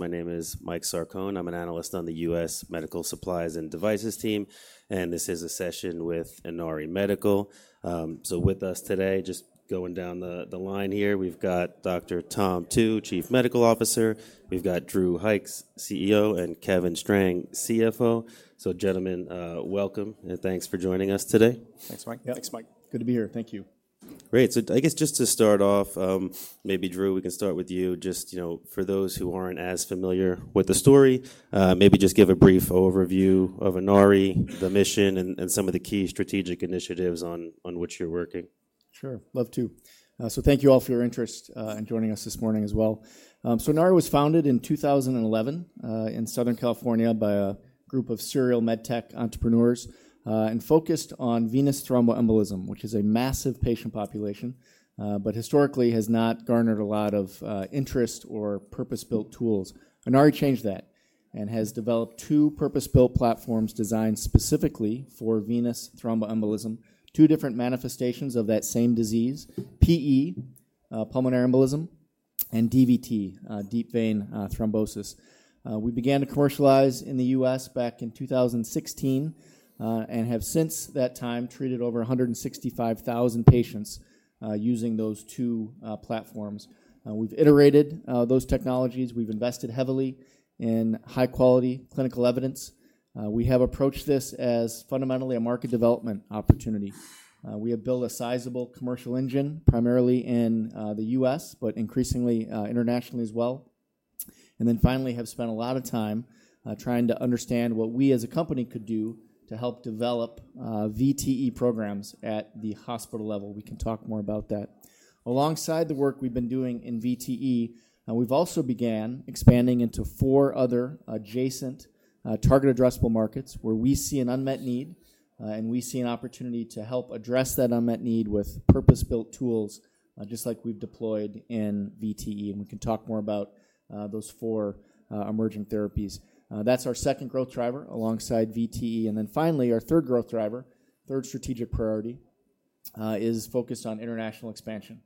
My name is Mike Sarcone. I'm an analyst on the U.S. Medical Supplies and Devices team, and this is a session with Inari Medical. So with us today, just going down the line here, we've got Dr. Tom Tu, Chief Medical Officer. We've got Drew Hykes, CEO, and Kevin Strange, CFO. So gentlemen, welcome, and thanks for joining us today. Thanks, Mike. Thanks, Mike. Good to be here. Thank you. Great. So I guess just to start off, maybe, Drew, we can start with you. Just for those who aren't as familiar with the story, maybe just give a brief overview of Inari, the mission, and some of the key strategic initiatives on which you're working. Sure. Love to. So thank you all for your interest in joining us this morning as well. So Inari was founded in 2011 in Southern California by a group of serial med tech entrepreneurs and focused on venous thromboembolism, which is a massive patient population, but historically has not garnered a lot of interest or purpose-built tools. Inari changed that and has developed two purpose-built platforms designed specifically for venous thromboembolism, two different manifestations of that same disease, PE, pulmonary embolism, and DVT, deep vein thrombosis. We began to commercialize in the U.S. back in 2016 and have since that time treated over 165,000 patients using those two platforms. We've iterated those technologies. We've invested heavily in high-quality clinical evidence. We have approached this as fundamentally a market development opportunity. We have built a sizable commercial engine, primarily in the U.S., but increasingly internationally as well. And then finally, we have spent a lot of time trying to understand what we as a company could do to help develop VTE programs at the hospital level. We can talk more about that. Alongside the work we've been doing in VTE, we've also begun expanding into four other adjacent target addressable markets where we see an unmet need, and we see an opportunity to help address that unmet need with purpose-built tools just like we've deployed in VTE. And we can talk more about those four emerging therapies. That's our second growth driver alongside VTE. And then finally, our third growth driver, third strategic priority, is focused on international expansion.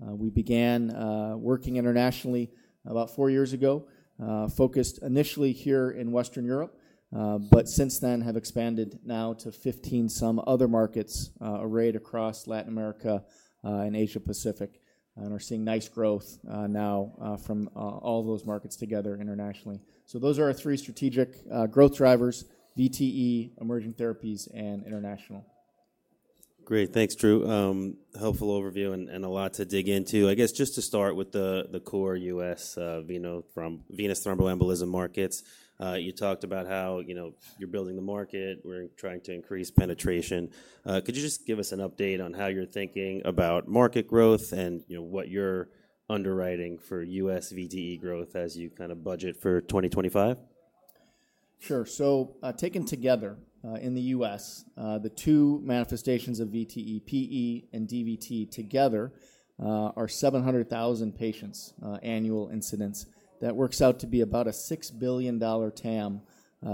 We began working internationally about four years ago, focused initially here in Western Europe, but since then have expanded now to 15 or so other markets arrayed across Latin America and Asia-Pacific, and are seeing nice growth now from all those markets together internationally. So those are our three strategic growth drivers: VTE, emerging therapies, and international. Great. Thanks, Drew. Helpful overview and a lot to dig into. I guess just to start with the core U.S. venous thromboembolism markets, you talked about how you're building the market. We're trying to increase penetration. Could you just give us an update on how you're thinking about market growth and what you're underwriting for U.S. VTE growth as you kind of budget for 2025? Sure, so taken together in the U.S., the two manifestations of VTE, PE, and DVT together are 700,000 patients annual incidence. That works out to be about a $6 billion TAM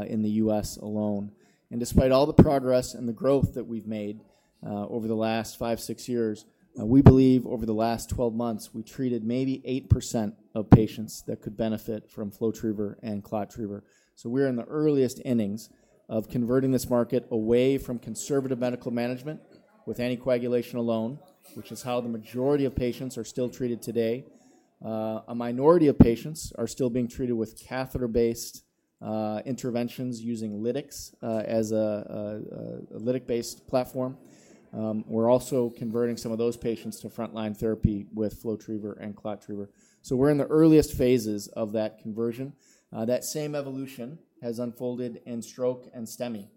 in the U.S. alone, and despite all the progress and the growth that we've made over the last five, six years, we believe over the last 12 months, we treated maybe 8% of patients that could benefit from FlowTriever and ClotTriever treatment. So we're in the earliest innings of converting this market away from conservative medical management with anticoagulation alone, which is how the majority of patients are still treated today. A minority of patients are still being treated with catheter-based interventions using lytics as a lytic-based platform. We're also converting some of those patients to frontline therapy with FlowTriever and ClotTriever treatment. So we're in the earliest phases of that conversion. That same evolution has unfolded in stroke and ST-elevation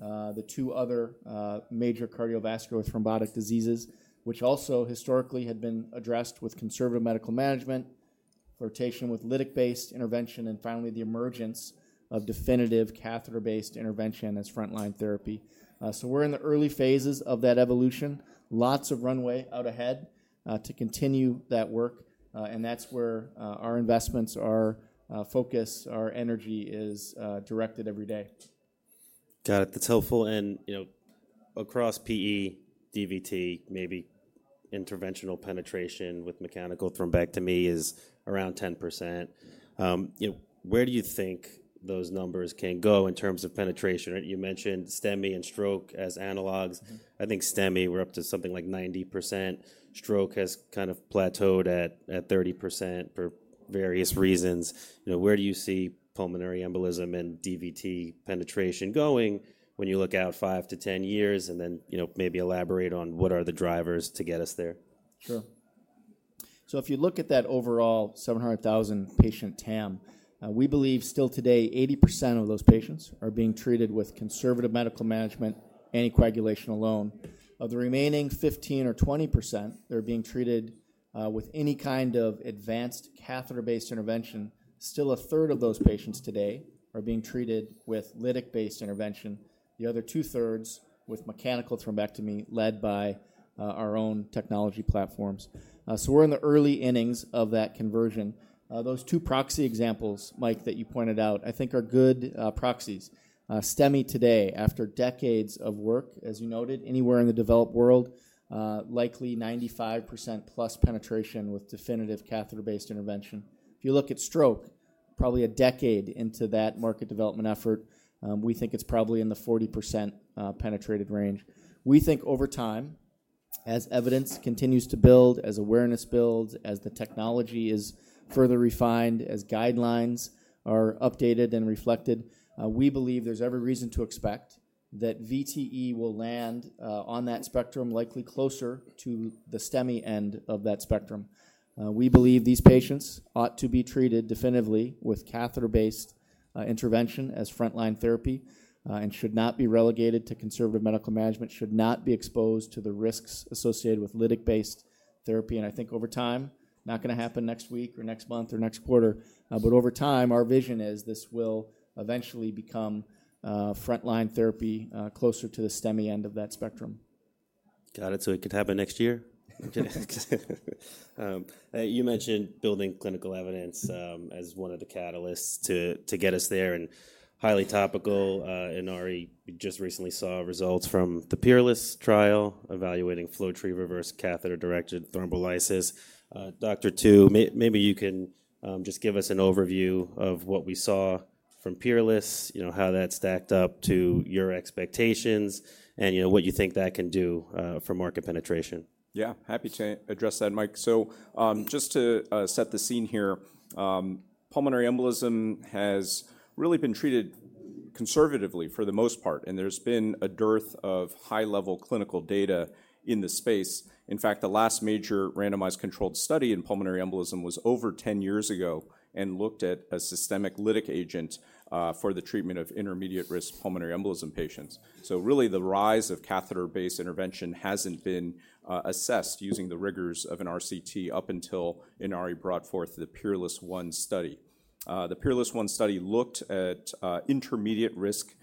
myocardial infarction, the two other major cardiovascular thrombotic diseases, which also historically had been addressed with conservative medical management, flirtation with lytic-based intervention, and finally, the emergence of definitive catheter-based intervention as frontline therapy. So we're in the early phases of that evolution. Lots of runway out ahead to continue that work. And that's where our investments are focused. Our energy is directed every day. Got it. That's helpful, and across PE, DVT, maybe interventional penetration with mechanical thrombectomy is around 10%. Where do you think those numbers can go in terms of penetration? You mentioned STEMI and stroke as analogs. I think STEMI, we're up to something like 90%. Stroke has kind of plateaued at 30% for various reasons. Where do you see pulmonary embolism and DVT penetration going when you look out five to 10 years and then maybe elaborate on what are the drivers to get us there? Sure. So if you look at that overall 700,000 patient TAM, we believe still today, 80% of those patients are being treated with conservative medical management, anticoagulation alone. Of the remaining 15%-20%, they're being treated with any kind of advanced catheter-based intervention. Still, a third of those patients today are being treated with lytic-based intervention. The other two-thirds with mechanical thrombectomy led by our own technology platforms. So we're in the early innings of that conversion. Those two proxy examples, Mike, that you pointed out, I think are good proxies. STEMI today, after decades of work, as you noted, anywhere in the developed world, likely 95% plus penetration with definitive catheter-based intervention. If you look at stroke, probably a decade into that market development effort, we think it's probably in the 40% penetrated range. We think over time, as evidence continues to build, as awareness builds, as the technology is further refined, as guidelines are updated and reflected, we believe there's every reason to expect that VTE will land on that spectrum, likely closer to the STEMI end of that spectrum. We believe these patients ought to be treated definitively with catheter-based intervention as frontline therapy and should not be relegated to conservative medical management, should not be exposed to the risks associated with lytic-based therapy, and I think over time, not going to happen next week or next month or next quarter, but over time, our vision is this will eventually become frontline therapy closer to the STEMI end of that spectrum. Got it. So it could happen next year. You mentioned building clinical evidence as one of the catalysts to get us there, and highly topical, Inari. We just recently saw results from the PEERLESS trial evaluating FlowTriever versus catheter-directed thrombolysis. Dr. Tu, maybe you can just give us an overview of what we saw from PEERLESS, how that stacked up to your expectations, and what you think that can do for market penetration. Yeah, happy to address that, Mike. So just to set the scene here, pulmonary embolism has really been treated conservatively for the most part, and there's been a dearth of high-level clinical data in the space. In fact, the last major randomized controlled study in pulmonary embolism was over 10 years ago and looked at a systemic lytic agent for the treatment of intermediate-risk pulmonary embolism patients. So really, the rise of catheter-based intervention hasn't been assessed using the rigors of an RCT up until Inari brought forth the PEERLESS study. The PEERLESS study looked at intermediate-risk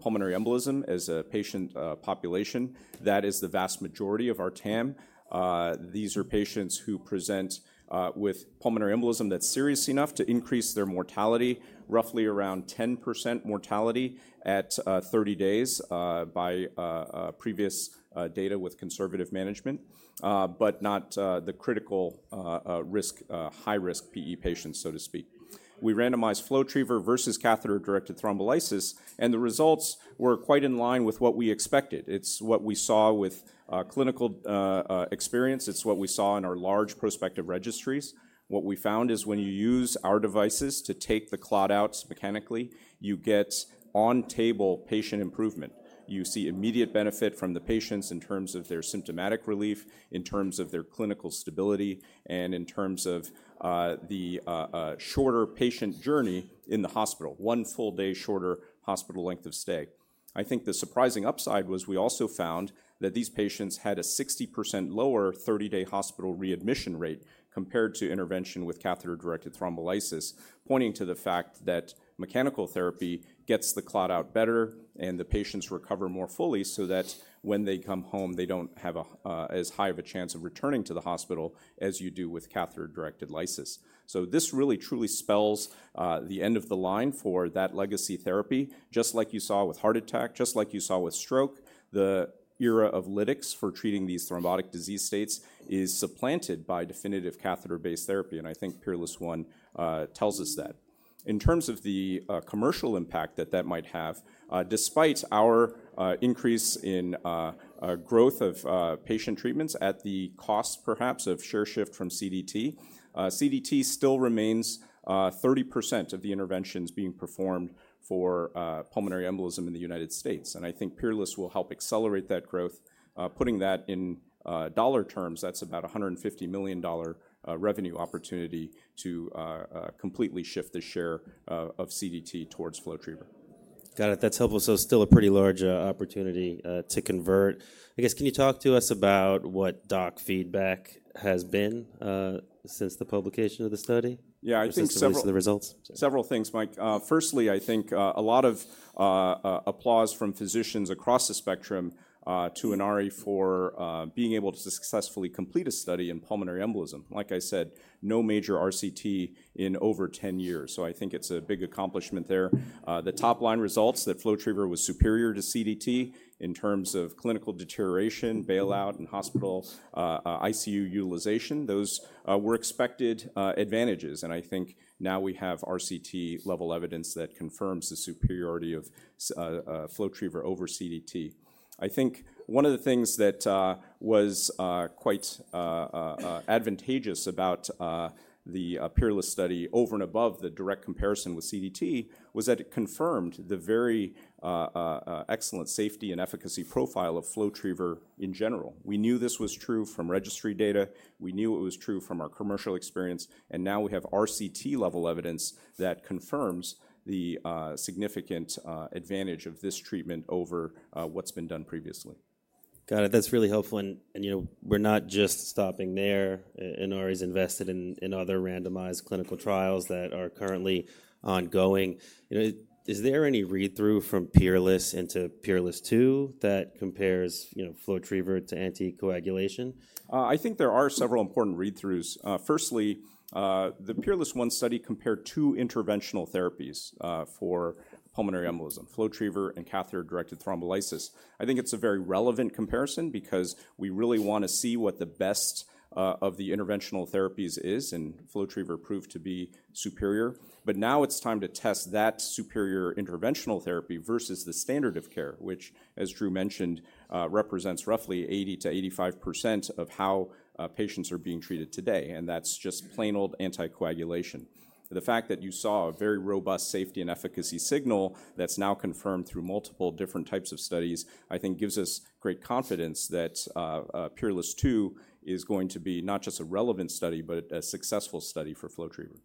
pulmonary embolism as a patient population. That is the vast majority of our TAM. These are patients who present with pulmonary embolism that's serious enough to increase their mortality, roughly around 10% mortality at 30 days by previous data with conservative management, but not the critical risk, high-risk PE patients, so to speak. We randomized FlowTriever versus catheter-directed thrombolysis, and the results were quite in line with what we expected. It's what we saw with clinical experience. It's what we saw in our large prospective registries. What we found is when you use our devices to take the clots out mechanically, you get on-table patient improvement. You see immediate benefit from the patients in terms of their symptomatic relief, in terms of their clinical stability, and in terms of the shorter patient journey in the hospital, one full day shorter hospital length of stay. I think the surprising upside was we also found that these patients had a 60% lower 30-day hospital readmission rate compared to intervention with catheter-directed thrombolysis, pointing to the fact that mechanical therapy gets the clot out better and the patients recover more fully so that when they come home, they don't have as high of a chance of returning to the hospital as you do with catheter-directed lysis. So this really truly spells the end of the line for that legacy therapy. Just like you saw with heart attack, just like you saw with stroke, the era of lytics for treating these thrombotic disease states is supplanted by definitive catheter-based therapy, and I think PEERLESS I tells us that. In terms of the commercial impact that that might have, despite our increase in growth of patient treatments at the cost perhaps of share shift from CDT, CDT still remains 30% of the interventions being performed for pulmonary embolism in the United States, and I think PEERLESS will help accelerate that growth. Putting that in dollar terms, that's about a $150 million revenue opportunity to completely shift the share of CDT towards FlowTriever. Got it. That's helpful. So still a pretty large opportunity to convert. I guess, can you talk to us about what doc feedback has been since the publication of the study? Yeah, I think several. The results? Several things, Mike. Firstly, I think a lot of applause from physicians across the spectrum to Inari for being able to successfully complete a study in pulmonary embolism. Like I said, no major RCT in over 10 years. So I think it's a big accomplishment there. The top-line results that FlowTriever was superior to CDT in terms of clinical deterioration, bailout, and hospital ICU utilization, those were expected advantages. And I think now we have RCT-level evidence that confirms the superiority of FlowTriever over CDT. I think one of the things that was quite advantageous about the PEERLESS study over and above the direct comparison with CDT was that it confirmed the very excellent safety and efficacy profile of FlowTriever in general. We knew this was true from registry data. We knew it was true from our commercial experience. Now we have RCT-level evidence that confirms the significant advantage of this treatment over what's been done previously. Got it. That's really helpful. And we're not just stopping there. Inari is invested in other randomized clinical trials that are currently ongoing. Is there any read-through from PEERLESS into PEERLESS II that compares FlowTriever to anticoagulation? I think there are several important read-throughs. Firstly, the PEERLESS study compared two interventional therapies for pulmonary embolism, FlowTriever and catheter-directed thrombolysis. I think it's a very relevant comparison because we really want to see what the best of the interventional therapies is, and FlowTriever proved to be superior. But now it's time to test that superior interventional therapy versus the standard of care, which, as Drew mentioned, represents roughly 80%-85% of how patients are being treated today, and that's just plain old anticoagulation. The fact that you saw a very robust safety and efficacy signal that's now confirmed through multiple different types of studies, I think gives us great confidence that PEERLESS II is going to be not just a relevant study, but a successful study for FlowTriever.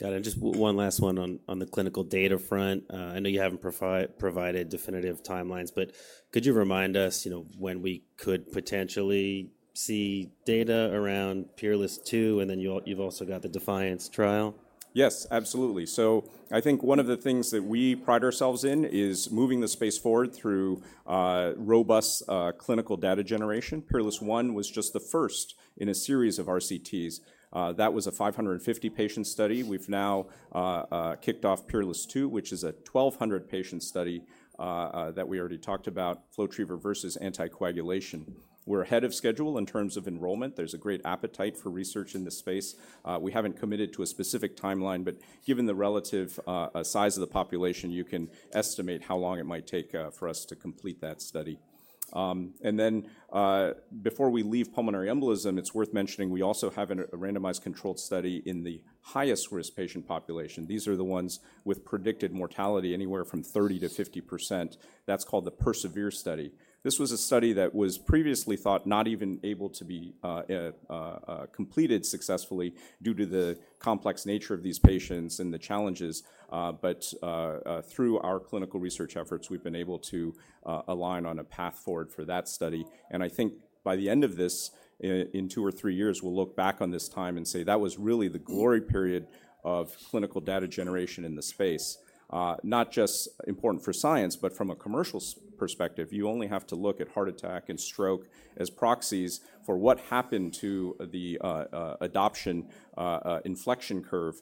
Got it. Just one last one on the clinical data front. I know you haven't provided definitive timelines, but could you remind us when we could potentially see data around PEERLESS II? And then you've also got the DEFIANCE trial. Yes, absolutely. So I think one of the things that we pride ourselves in is moving the space forward through robust clinical data generation. PEERLESS I was just the first in a series of RCTs. That was a 550-patient study. We've now kicked off PEERLESS II, which is a 1,200-patient study that we already talked about, FlowTriever versus anticoagulation. We're ahead of schedule in terms of enrollment. There's a great appetite for research in the space. We haven't committed to a specific timeline, but given the relative size of the population, you can estimate how long it might take for us to complete that study. And then before we leave pulmonary embolism, it's worth mentioning we also have a randomized controlled study in the highest-risk patient population. These are the ones with predicted mortality anywhere from 30%-50%. That's called the PERSEVERE study. This was a study that was previously thought not even able to be completed successfully due to the complex nature of these patients and the challenges, but through our clinical research efforts, we've been able to align on a path forward for that study, and I think by the end of this, in two or three years, we'll look back on this time and say that was really the glory period of clinical data generation in the space, not just important for science, but from a commercial perspective. You only have to look at heart attack and stroke as proxies for what happened to the adoption inflection curve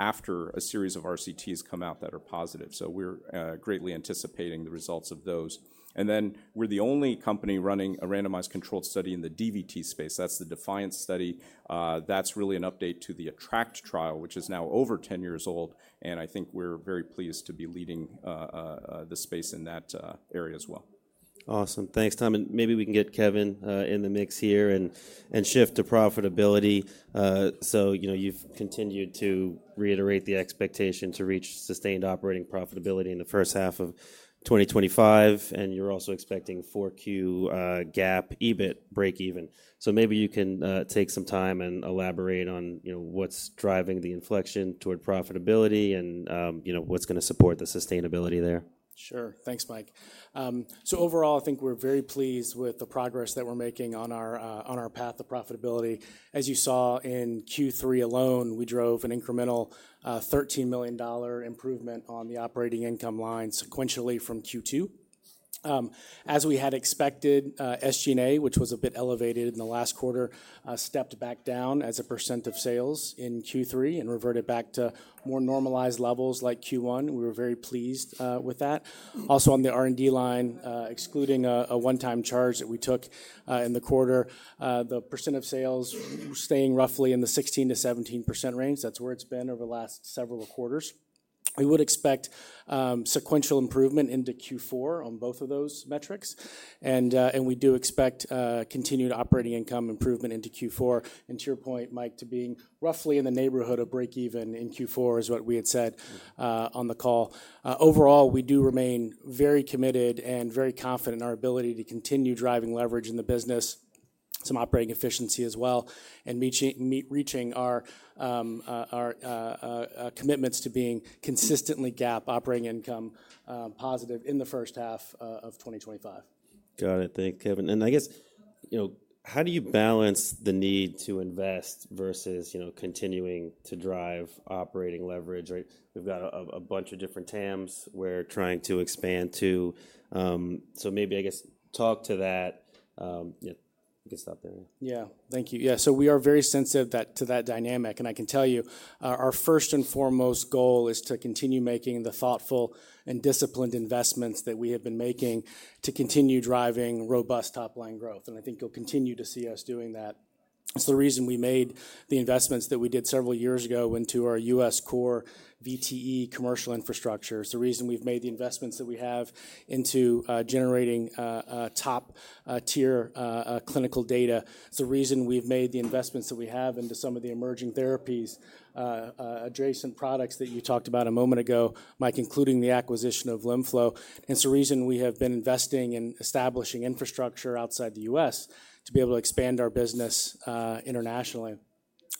after a series of RCTs come out that are positive, so we're greatly anticipating the results of those. And then we're the only company running a randomized controlled study in the DVT space. That's the DEFIANCE study. That's really an update to the ATTRACT Trial, which is now over 10 years old, and I think we're very pleased to be leading the space in that area as well. Awesome. Thanks, Tom. And maybe we can get Kevin in the mix here and shift to profitability. So you've continued to reiterate the expectation to reach sustained operating profitability in the first half of 2025. And you're also expecting 4Q GAAP EBIT break-even. So maybe you can take some time and elaborate on what's driving the inflection toward profitability and what's going to support the sustainability there. Sure. Thanks, Mike. So overall, I think we're very pleased with the progress that we're making on our path to profitability. As you saw in Q3 alone, we drove an incremental $13 million improvement on the operating income line sequentially from Q2. As we had expected, SG&A, which was a bit elevated in the last quarter, stepped back down as a percent of sales in Q3 and reverted back to more normalized levels like Q1. We were very pleased with that. Also, on the R&D line, excluding a one-time charge that we took in the quarter, the percent of sales staying roughly in the 16%-17% range. That's where it's been over the last several quarters. We would expect sequential improvement into Q4 on both of those metrics, and we do expect continued operating income improvement into Q4. To your point, Mike, to being roughly in the neighborhood of break-even in Q4 is what we had said on the call. Overall, we do remain very committed and very confident in our ability to continue driving leverage in the business, some operating efficiency as well, and reaching our commitments to being consistently GAAP operating income positive in the first half of 2025. Got it. Thank you, Kevin. And I guess, how do you balance the need to invest versus continuing to drive operating leverage? We've got a bunch of different TAMs we're trying to expand to. So maybe I guess talk to that. You can stop there. Yeah, thank you. Yeah. We are very sensitive to that dynamic. I can tell you our first and foremost goal is to continue making the thoughtful and disciplined investments that we have been making to continue driving robust top-line growth. I think you'll continue to see us doing that. It's the reason we made the investments that we did several years ago into our U.S. core VTE commercial infrastructure. It's the reason we've made the investments that we have into generating top-tier clinical data. It's the reason we've made the investments that we have into some of the emerging therapies, adjacent products that you talked about a moment ago, Mike, including the acquisition of LimFlow. It's the reason we have been investing in establishing infrastructure outside the U.S. to be able to expand our business internationally.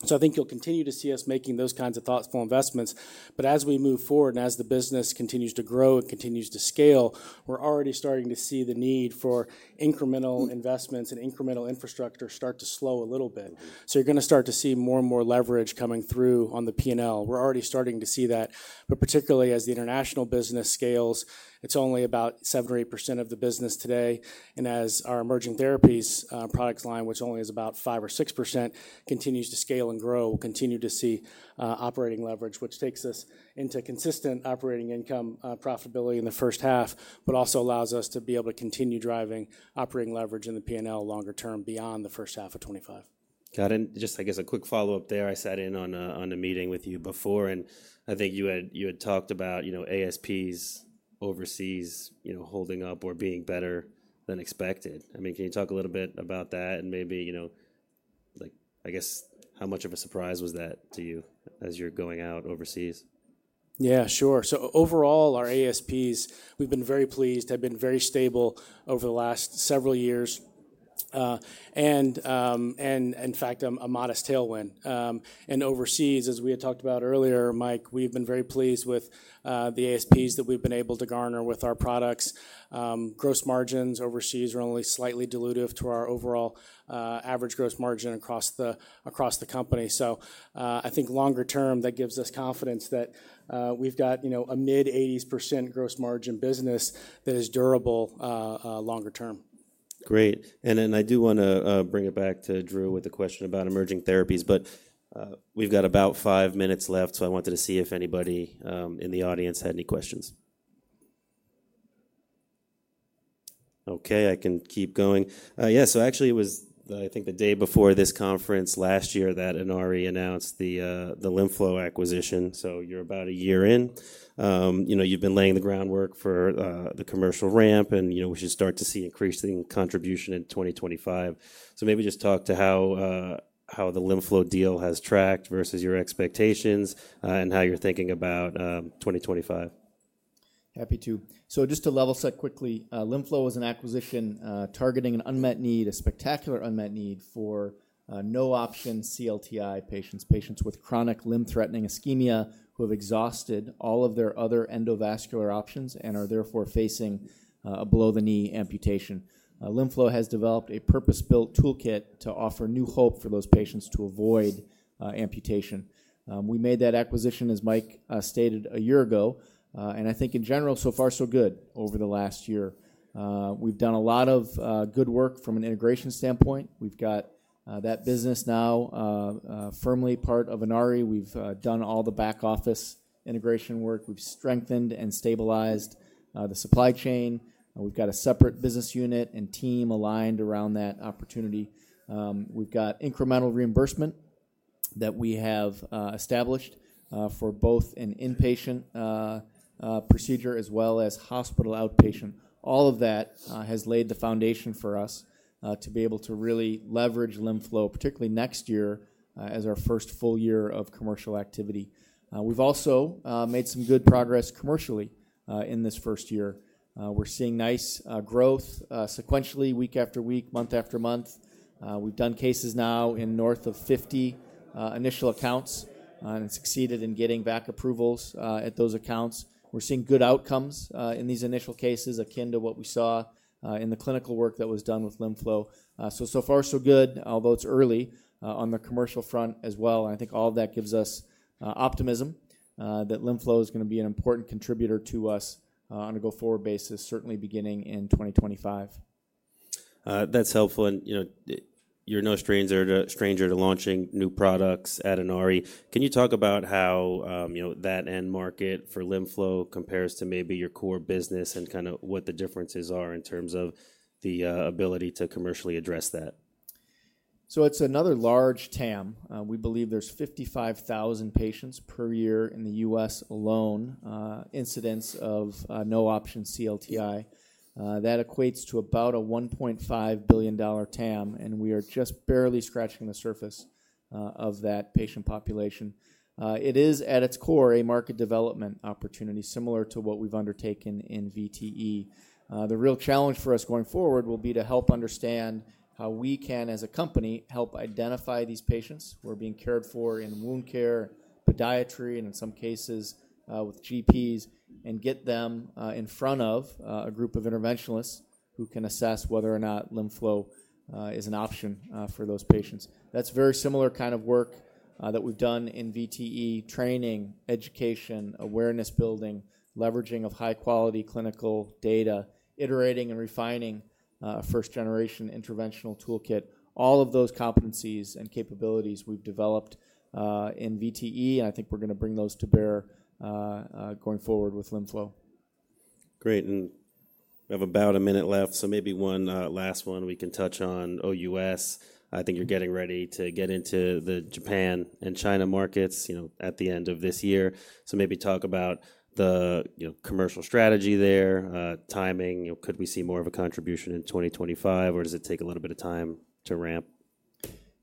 So I think you'll continue to see us making those kinds of thoughtful investments. But as we move forward and as the business continues to grow and continues to scale, we're already starting to see the need for incremental investments and incremental infrastructure start to slow a little bit. So you're going to start to see more and more leverage coming through on the P&L. We're already starting to see that. But particularly as the international business scales, it's only about 7% or 8% of the business today. And as our emerging therapies product line, which only is about five or six%, continues to scale and grow, we'll continue to see operating leverage, which takes us into consistent operating income profitability in the first half, but also allows us to be able to continue driving operating leverage in the P&L longer term beyond the first half of 2025. Got it. Just, I guess, a quick follow-up there. I sat in on a meeting with you before, and I think you had talked about ASPs overseas holding up or being better than expected. I mean, can you talk a little bit about that and maybe, I guess, how much of a surprise was that to you as you're going out overseas? Yeah, sure. So overall, our ASPs, we've been very pleased, have been very stable over the last several years, and in fact, a modest tailwind. And overseas, as we had talked about earlier, Mike, we've been very pleased with the ASPs that we've been able to garner with our products. Gross margins overseas are only slightly dilutive to our overall average gross margin across the company. So I think longer term, that gives us confidence that we've got a mid-80% gross margin business that is durable longer term. Great. And I do want to bring it back to Drew with the question about emerging therapies, but we've got about five minutes left. So I wanted to see if anybody in the audience had any questions. Okay, I can keep going. Yeah. So actually, it was, I think, the day before this conference last year that Inari announced the LimFlow acquisition. So you're about a year in. You've been laying the groundwork for the commercial ramp, and we should start to see increasing contribution in 2025. So maybe just talk to how the LimFlow deal has tracked versus your expectations and how you're thinking about 2025. Happy to. So just to level set quickly, LimFlow was an acquisition targeting an unmet need, a spectacular unmet need for no-option CLTI patients, patients with chronic limb-threatening ischemia who have exhausted all of their other endovascular options and are therefore facing a below-the-knee amputation. LimFlow has developed a purpose-built toolkit to offer new hope for those patients to avoid amputation. We made that acquisition, as Mike stated, a year ago. And I think in general, so far, so good over the last year. We've done a lot of good work from an integration standpoint. We've got that business now firmly part of Inari. We've done all the back-office integration work. We've strengthened and stabilized the supply chain. We've got a separate business unit and team aligned around that opportunity. We've got incremental reimbursement that we have established for both an inpatient procedure as well as hospital outpatient. All of that has laid the foundation for us to be able to really leverage LimFlow, particularly next year as our first full year of commercial activity. We've also made some good progress commercially in this first year. We're seeing nice growth sequentially, week after week, month after month. We've done cases now in north of 50 initial accounts and succeeded in getting VAC approvals at those accounts. We're seeing good outcomes in these initial cases akin to what we saw in the clinical work that was done with LimFlow. So so far, so good, although it's early on the commercial front as well. And I think all of that gives us optimism that LimFlow is going to be an important contributor to us on a go-forward basis, certainly beginning in 2025. That's helpful, and you're no stranger to launching new products at Inari. Can you talk about how that end market for LimFlow compares to maybe your core business and kind of what the differences are in terms of the ability to commercially address that? It's another large TAM. We believe there's 55,000 patients per year in the U.S. alone, incidence of no-option CLTI. That equates to about a $1.5 billion TAM, and we are just barely scratching the surface of that patient population. It is at its core a market development opportunity similar to what we've undertaken in VTE. The real challenge for us going forward will be to help understand how we can, as a company, help identify these patients who are being cared for in wound care, podiatry, and in some cases with GPs, and get them in front of a group of interventionalists who can assess whether or not LimFlow is an option for those patients. That's very similar kind of work that we've done in VTE training, education, awareness building, leveraging of high-quality clinical data, iterating and refining a first-generation interventional toolkit. All of those competencies and capabilities we've developed in VTE, and I think we're going to bring those to bear going forward with LimFlow. Great. And we have about a minute left. So maybe one last one we can touch on OUS. I think you're getting ready to get into the Japan and China markets at the end of this year. So maybe talk about the commercial strategy there, timing. Could we see more of a contribution in 2025, or does it take a little bit of time to ramp?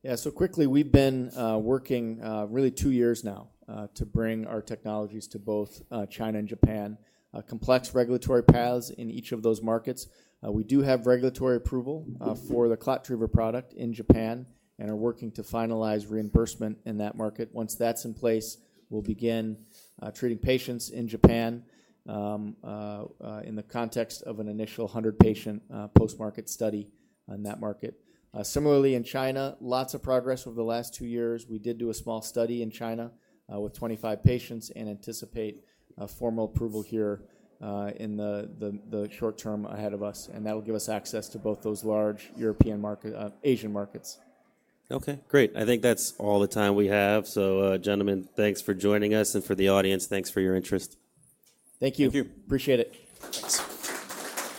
Yeah. So quickly, we've been working really two years now to bring our technologies to both China and Japan. Complex regulatory paths in each of those markets. We do have regulatory approval for the ClotTriever product in Japan and are working to finalize reimbursement in that market. Once that's in place, we'll begin treating patients in Japan in the context of an initial 100-patient post-market study in that market. Similarly, in China, lots of progress over the last two years. We did do a small study in China with 25 patients and anticipate formal approval here in the short term ahead of us. And that will give us access to both those large European markets, Asian markets. Okay, great. I think that's all the time we have. So, gentlemen, thanks for joining us. And for the audience, thanks for your interest. Thank you. Thank you. Appreciate it. Thanks.